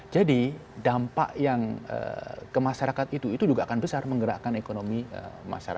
dampak yang ke masyarakat itu itu juga akan besar menggerakkan ekonomi masyarakat